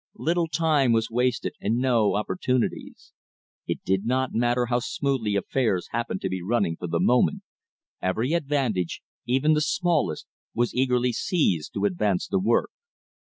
Little time was wasted and no opportunities. It did not matter how smoothly affairs happened to be running for the moment, every advantage, even the smallest, was eagerly seized to advance the work.